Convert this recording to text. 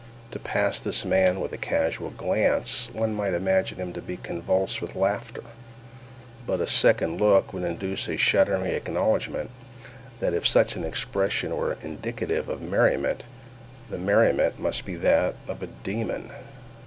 To pass this man with a casual glance, one might imagine him to be convulsed with laughter, but a second look would induce a shuddering acknowledgment, that if such an expression were indicative of merriment, the merriment must be that of a demon.